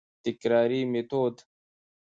تکراري ميتود: